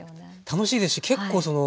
楽しいですし結構その。